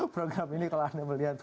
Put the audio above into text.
program ini kalau anda melihat